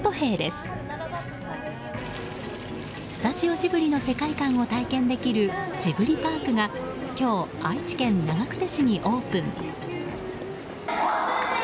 スタジオジブリの世界観を体験できるジブリパークが今日、愛知県長久手市にオープン。